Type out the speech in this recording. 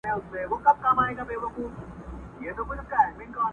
پښتنو واورئ! ډوبېږي بېړۍ ورو ورو؛